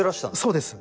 そうです。